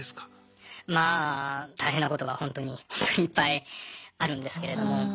まあ大変なことがほんとにほんとにいっぱいあるんですけれども。